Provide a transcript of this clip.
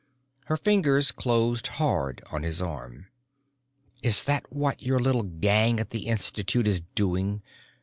Her fingers closed hard on his arm. "Is that what your little gang at the Institute is doing?